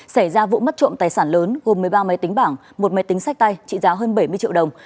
xảy ra vụ mất trộm tài sản lớn gồm một mươi ba máy tính bảng một máy tính sách tay trị giá hơn bảy mươi triệu đồng